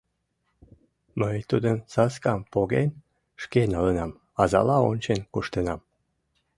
Мый тудым, саскам поген, шке налынам, азала ончен куштенам.